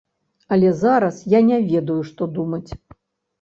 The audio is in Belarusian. Але зараз я не ведаю, што думаць.